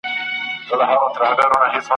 د خلکو کورونو ته اورونه اچولي ..